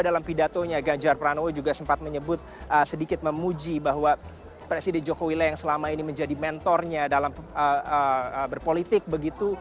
dalam pidatonya ganjar pranowo juga sempat menyebut sedikit memuji bahwa presiden jokowi lah yang selama ini menjadi mentornya dalam berpolitik begitu